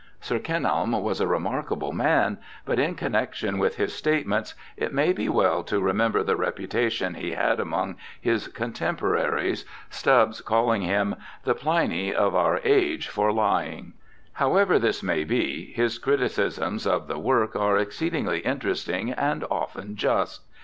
Sir Kenelm was a remarkable man, but in connexion with his statements it may be well to remember the reputation he had among his contem poraries, Stubbs calling him 'the Pliny of our age for lying'. However this may be, his criticisms of the work are exceedingly interesting and often just.